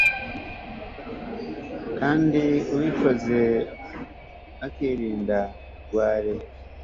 kandi ubikoze akirinda ubugwari